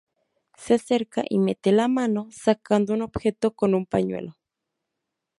Se acerca y mete la mano, sacando un objeto con un pañuelo.